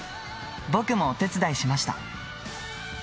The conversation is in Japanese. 僕もお手伝いしました。